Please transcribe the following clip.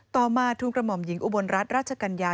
ต่อมาทูลกระหม่อมหญิงอุบลรัฐราชกัญญา